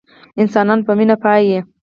انسانان په مينه پايي